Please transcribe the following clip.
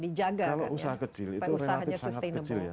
kalau usaha kecil itu relatif sangat kecil ya